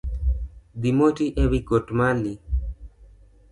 Dhi moti e wigot mali.